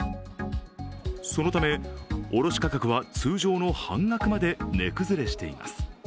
そのため、卸価格は通常の半額まで値崩れしています。